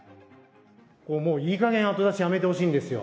いいかげん後出しやめてほしいんですよ。